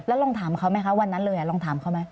แล้วลองถามเขาไหมคะวันนั้นเลยลองถามเขาไหม